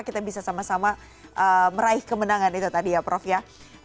kita bisa sama sama meraih kemenangan itu tadi ya prof ya